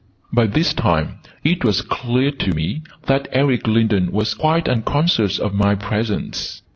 By this time it was clear to me that Eric Lindon was quite unconscious of my presence.